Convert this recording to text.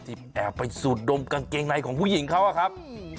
แอบไปสูดดมกางเกงในของผู้หญิงเขาอะครับ